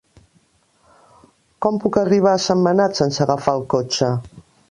Com puc arribar a Sentmenat sense agafar el cotxe?